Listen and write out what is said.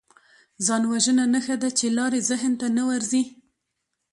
ځانوژنه نښه ده چې لارې ذهن ته نه ورځي